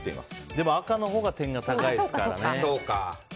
でも赤のほうが点が高いですからね。